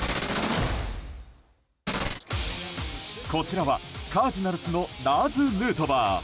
こちらはカージナルスのラーズ・ヌートバー。